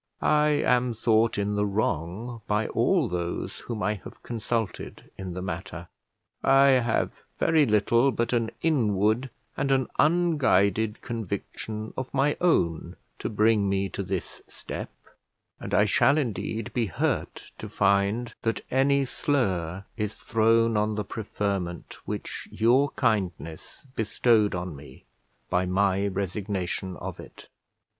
I am thought in the wrong by all those whom I have consulted in the matter; I have very little but an inward and an unguided conviction of my own to bring me to this step, and I shall, indeed, be hurt to find that any slur is thrown on the preferment which your kindness bestowed on me, by my resignation of it.